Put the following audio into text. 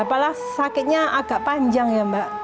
apalagi sakitnya agak panjang ya mbak